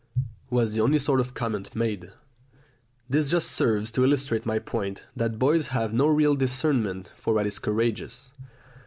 was the only sort of comment made. This just serves to illustrate my point, that boys have no real discernment for what is courageous.